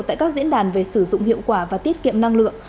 tại các diễn đàn về sử dụng hiệu quả và tiết kiệm năng lượng